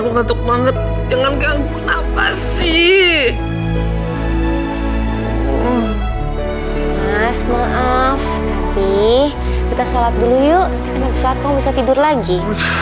kaget jangan ganggu apa sih mas maaf tapi kita sholat dulu yuk bisa tidur lagi